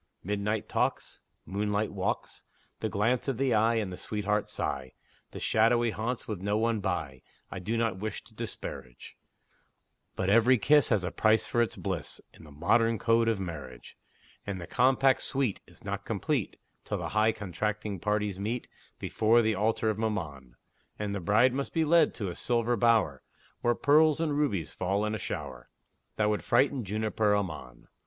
Midnight talks, Moonlight walks, The glance of the eye and sweetheart sigh, The shadowy haunts, with no one by, I do not wish to disparage; But every kiss Has a price for its bliss, In the modern code of marriage; And the compact sweet Is not complete Till the high contracting parties meet Before the altar of Mammon; And the bride must be led to a silver bower, Where pearls and rubies fall in a shower That would frighten Jupiter Ammon!